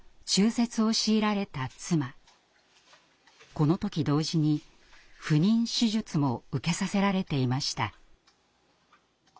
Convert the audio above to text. この時同時に不妊手術も受けさせられていました。